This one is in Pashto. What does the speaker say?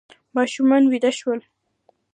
ماشومان ویده شول.